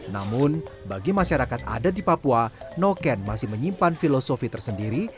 namun bagi masyarakat adat di papua noken masih menyimpan filosofi tersendiri